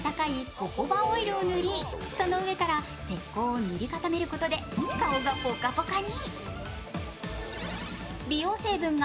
ホホバオイルを塗りその上から石こうを塗り固めることで顔がポカポカに。